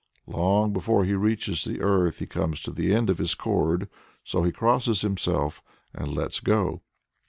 Long before he reaches the earth he comes to the end of his cord, so he crosses himself, and lets go.